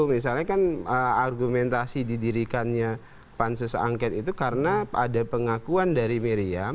misalnya kan argumentasi didirikannya pansus angket itu karena ada pengakuan dari miriam